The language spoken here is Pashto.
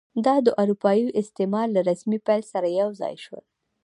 دا د اروپایي استعمار له رسمي پیل سره یو ځای شول.